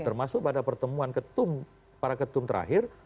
termasuk pada pertemuan ketum para ketum terakhir